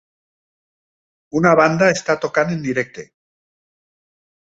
Una banda està tocant en directe.